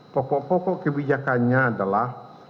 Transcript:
pokok pokok kebijakannya adalah